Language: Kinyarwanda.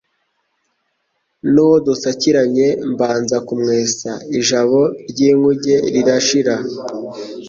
N'uwo dusakiranye mbanza kumwesa, ijabo ry'ingunge rirashira.